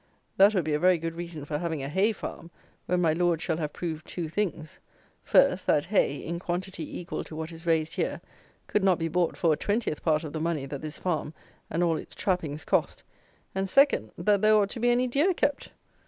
That will be a very good reason for having a hay farm, when my lords shall have proved two things; first, that hay, in quantity equal to what is raised here, could not be bought for a twentieth part of the money that this farm and all its trappings cost; and, second, that there ought to be any deer kept!